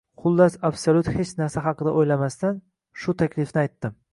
xullas absolyut hech narsa haqida o‘ylamasdan, shu taklifni aytdim.